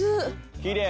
「きれい」